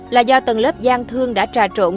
là do tầng lớp giang thương đã trà trộn